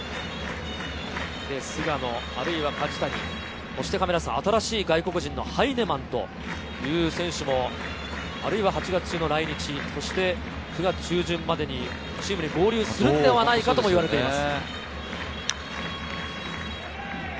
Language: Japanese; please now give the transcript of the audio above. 菅野、梶谷、そして新しい外国人のハイネマンという選手も８月中の来日、そして９月中旬までにチームに合流するのではないかとも言われています。